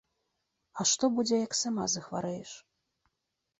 А што будзе, як сама захварэеш?